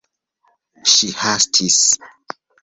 Ŝi hastis.